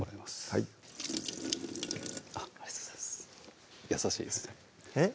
はいありがとうございます優しいですねえっ？